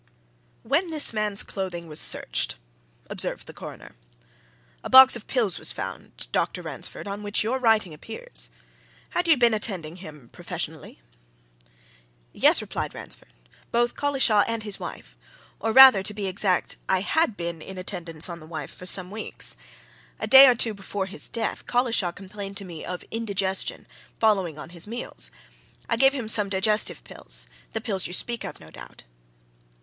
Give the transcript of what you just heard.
"When this man's clothing was searched," observed the Coroner, "a box of pills was found, Dr. Ransford, on which your writing appears. Had you been attending him professionally?" "Yes," replied Ransford. "Both Collishaw and his wife. Or, rather, to be exact, I had been in attendance on the wife, for some weeks. A day or two before his death, Collishaw complained to me of indigestion, following on his meals. I gave him some digestive pills the pills you speak of, no doubt."